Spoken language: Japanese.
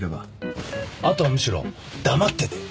あとはむしろ黙ってて。